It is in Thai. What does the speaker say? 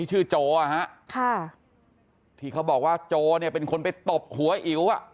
ชื่อโจอ่ะฮะค่ะที่เขาบอกว่าโจเนี่ยเป็นคนไปตบหัวอิ๋วอ่ะ